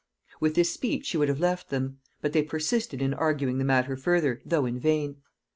With this speech she would have left them; but they persisted in arguing the matter further, though in vain.